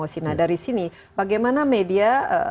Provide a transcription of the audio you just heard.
sina dari sini bagaimana media